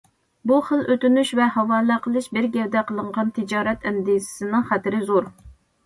بۇ خىل ئۆتۈنۈش ۋە ھاۋالە قىلىش بىر گەۋدە قىلىنغان تىجارەت ئەندىزىسىنىڭ خەتىرى زور.